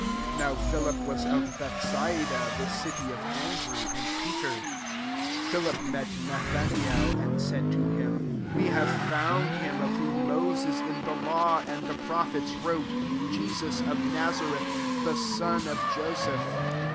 44 (Now Philip was of Bethsaida, the city of Andrew and Peter.) 45 Philip met Nathanael, and said to him, *• We have fbund him, of whom Moses in the law, and the prophets, wrote, Jesus of Nazareth, the son of Joseph."